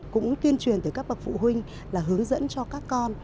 cũng tuyên truyền từ các bậc phụ huynh là hướng dẫn cho các con